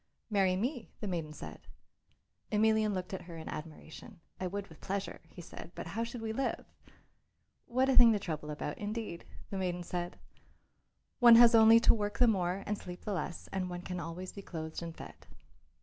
"Marry me," the maiden said. Emelian looked at her in admiration. "I would with pleasure," he said, "but how should we live?" "What a thing to trouble about, [Illustration: EMELIAN AND THE EMPTY DRUM.] indeed!" the maiden said. "One has only to work the more and sleep the less and one can always be clothed and fed."